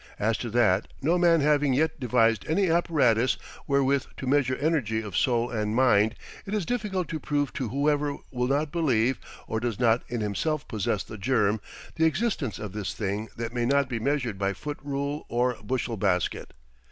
As to that, no man having yet devised any apparatus wherewith to measure energy of soul and mind, it is difficult to prove to whoever will not believe, or does not in himself possess the germ, the existence of this thing that may not be measured by foot rule or bushel basket.